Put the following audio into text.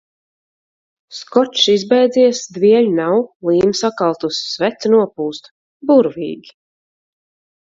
Skočs izbeidzies, dvieļa nav, līme sakaltusi, svece nopūsta. Burvīgi!